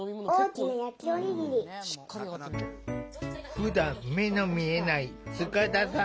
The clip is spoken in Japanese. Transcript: ふだん目の見えない塚田さん